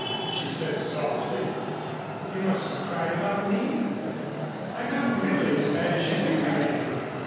she said softly. "You mustn't cry about me. I'm not really as bad as you think I am.